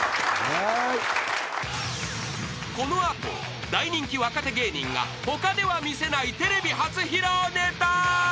［この後大人気若手芸人が他では見せないテレビ初披露ネタ］